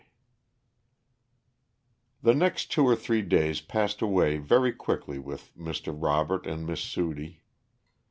_ The next two or three days passed away very quickly with Mr. Robert and Miss Sudie.